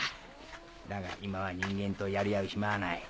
だが今は人間とやり合う暇はない。